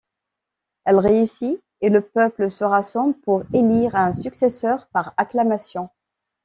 Elle réussit et le peuple se rassemble pour élire un successeur par acclamation.